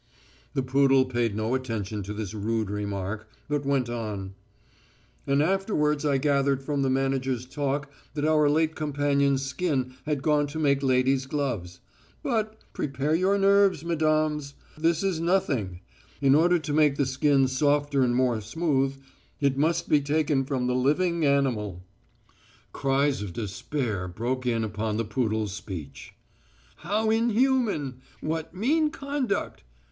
The poodle paid no attention to this rude remark, but went on: "And afterwards I gathered from the manager's talk that our late companion's skin had gone to make ladies' gloves. But ... prepare your nerves, mesdames ... but, this is nothing.... In order to make the skin softer and more smooth, it must be taken from the living animal." Cries of despair broke in upon the poodle's speech. "How inhuman!" "What mean conduct!"